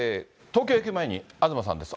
東京駅前に東さんです。